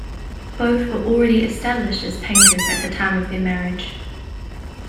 Both were already established as painters at the time of their marriage.